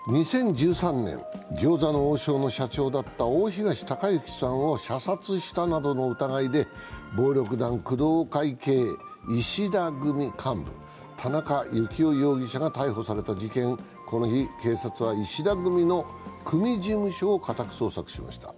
２０１３年、餃子の王将の社長だった大東隆行さんを射殺したなどの疑いで暴力団・工藤会系石田組幹部田中幸雄容疑者が逮捕された事件、この日、警察は石田組の組事務所を家宅捜索しました。